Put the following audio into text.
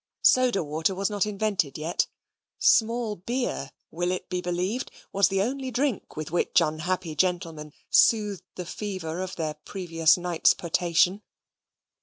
Soda water was not invented yet. Small beer will it be believed! was the only drink with which unhappy gentlemen soothed the fever of their previous night's potation.